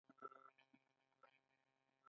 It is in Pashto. د خوست ځنګلونه جلغوزي دي